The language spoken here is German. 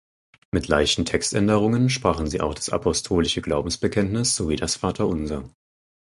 Mit leichten Textänderungen sprachen sie auch das Apostolische Glaubensbekenntnis sowie das Vaterunser.